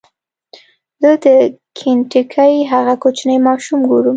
زه د کینټکي هغه کوچنی ماشوم ګورم.